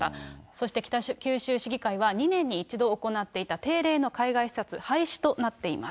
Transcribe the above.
そして北九州市議会は２年に１度行っていた定例の海外視察、廃止となっています。